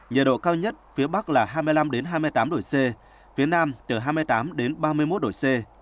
nhiệt độ cao nhất phía bắc là hai mươi năm hai mươi tám độ c phía nam từ hai mươi tám đến ba mươi một độ c